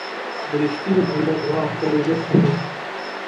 د رښتیني بنده دعا خدای ژر قبلوي.